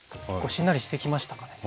しんなりしてきましたかね。